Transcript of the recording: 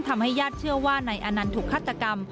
ทำให้ญาติเชื่อว่าในอันนั้นถูกฆาตกรรม